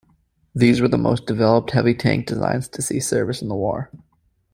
These were the most developed heavy tank designs to see service in the war.